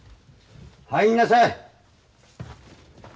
入りなさい！